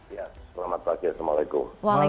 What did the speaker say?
ya selamat pagi assalamualaikum